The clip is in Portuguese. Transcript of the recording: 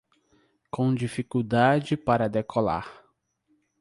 Com dificuldade para decolar